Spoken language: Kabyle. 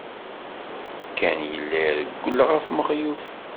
Ken yella irewwel ɣef Mexluf.